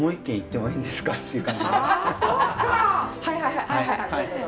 はいはいはい。